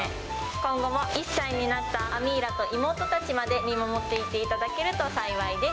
今後も１歳になったアミーラと妹たちまで見守っていていただけると幸いです。